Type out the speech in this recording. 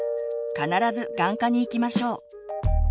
必ず眼科に行きましょう。